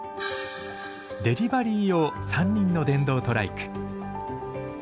デリバリー用３輪の電動トライク。